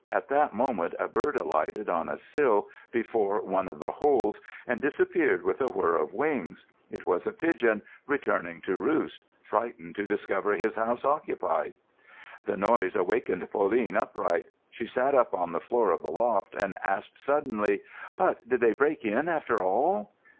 At that moment a bird alighted on a sill before one of the holes and disappeared with a whirr of wings. It was a pigeon returning to roost, frightened to discover his house occupied. The noise awakened Pauline upright. She sat up on the floor of the loft and asked suddenly: "But did they break in after all?"